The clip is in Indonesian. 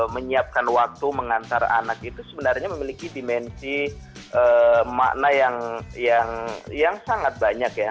menyiapkan waktu mengantar anak itu sebenarnya memiliki dimensi makna yang sangat banyak ya